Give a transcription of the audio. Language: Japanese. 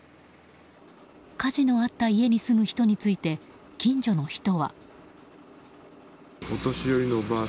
火事のあった家に住む人について近所の人は。